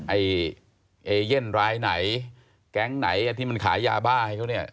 ไอ้เอเย่นรายไหนแก๊งไหนอ่ะที่มันขายยาบ้าให้เขาเนี่ย